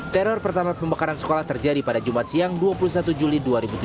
teror pertama pembakaran sekolah terjadi pada jumat siang dua puluh satu juli dua ribu tujuh belas